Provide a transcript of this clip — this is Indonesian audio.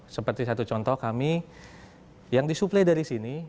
seperti satu contoh kami yang disuplai dari sini